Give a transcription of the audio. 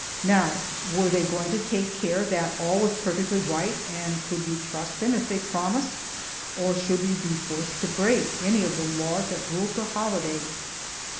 Now, were they going to take care that all was perfectly right, and could we trust them if they promised, or should we be forced to break any of the laws that ruled the holiday?